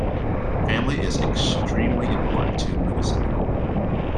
Family is extremely important to Mugison.